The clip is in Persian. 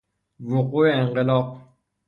وقوع انقلاب